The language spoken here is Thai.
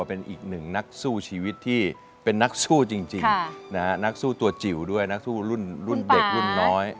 เป็นอีกหนึ่งนักสู้ชีวิตที่เป็นนักสู้จริงนะฮะนักสู้ตัวจิ๋วด้วยนักสู้รุ่นเด็กรุ่นน้อย